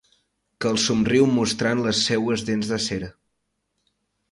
Que els somriu mostrant les seues dents d'acer.